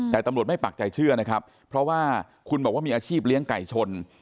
แต่ตำรวจไม่ปักใจเชื่อนะครับเพราะว่าคุณบอกว่ามีอาชีพเลี้ยงไก่ชน